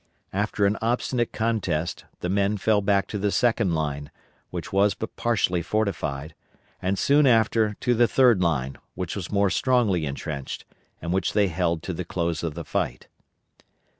After an obstinate contest the men fell back to the second line, which was but partially fortified, and soon after to the third line, which was more strongly intrenched, and which they held to the close of the fight.